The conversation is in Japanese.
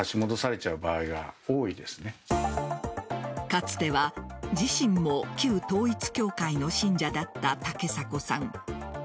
かつては自身も旧統一教会の信者だった竹迫さん。